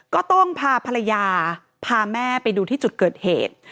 ก็ต้องพาภรรยาพาแม่ไปดูที่จุดเกิดเหตุ